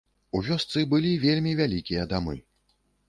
У вёсцы былі вельмі вялікія дамы.